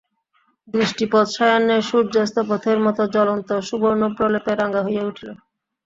দৃষ্টিপথ সায়াহ্নের সূর্যাস্তপথের মতো জ্বলন্ত সুবর্ণপ্রলেপে রাঙা হইয়া উঠিল।